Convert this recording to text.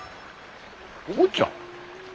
お坊ちゃん？